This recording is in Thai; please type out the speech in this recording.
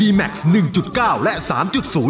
รายการต่อไปนี้เป็นรายการทั่วไปสามารถรับชมได้ทุกวัย